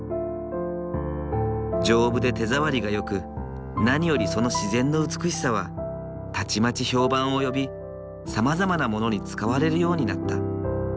丈夫で手触りがよく何よりその自然の美しさはたちまち評判を呼びさまざまなものに使われるようになった。